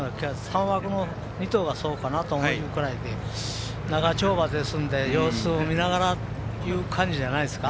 ２頭がそうかなというくらいで長丁場ですので、様子を見ながらという感じじゃないですか。